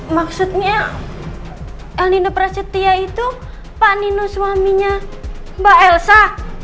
maksudnya el nino prasetya itu pak nino suaminya mbak elsa